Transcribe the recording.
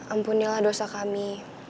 ampunilah dosa kami